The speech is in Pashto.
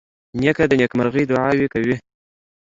نیکه د نیکمرغۍ دعاوې کوي.